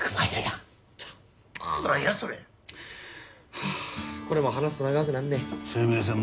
はあこれも話すと長くなんねん。